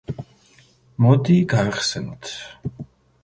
მოდი, გავიხსენოთ.